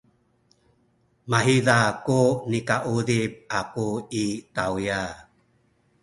mahiza ku nikauzip aku i tawya.